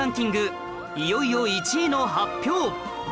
いよいよ１位の発表